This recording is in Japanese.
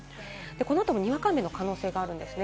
この後もにわか雨の可能性があるんですね。